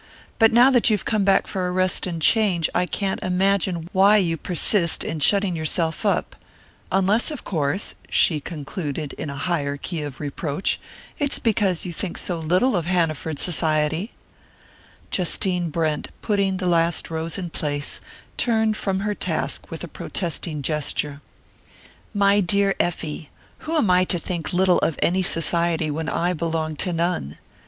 But now that you've come back for a rest and a change I can't imagine why you persist in shutting yourself up unless, of course," she concluded, in a higher key of reproach, "it's because you think so little of Hanaford society " Justine Brent, putting the last rose in place, turned from her task with a protesting gesture. "My dear Effie, who am I to think little of any society, when I belong to none?"